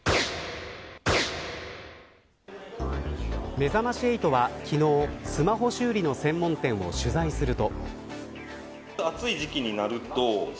めざまし８は昨日スマホ修理の専門店を取材すると。